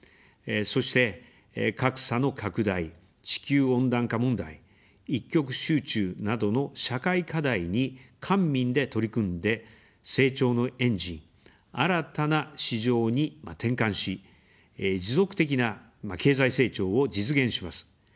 そして、格差の拡大、地球温暖化問題、一極集中などの社会課題に官民で取り組んで、成長のエンジン、新たな市場に転換し、持続的な経済成長を実現します。